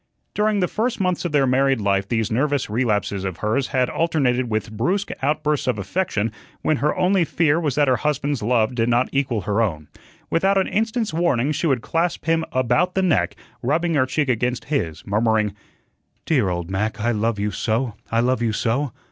During the first months of their married life these nervous relapses of hers had alternated with brusque outbursts of affection when her only fear was that her husband's love did not equal her own. Without an instant's warning, she would clasp him about the neck, rubbing her cheek against his, murmuring: "Dear old Mac, I love you so, I love you so.